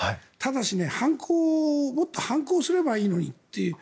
ただしね、もっと反抗すればいいのにって。